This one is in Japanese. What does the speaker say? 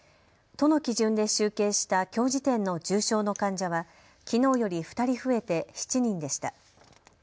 都の基準で集計したきょう時点の重症の患者はきのうより２人増えて７人でした。